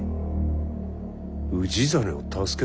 氏真を助けた？